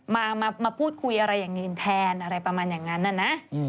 มาพูดคุยอะไรอย่างอื่นแทนอะไรประมาณอย่างนั้นนะนะ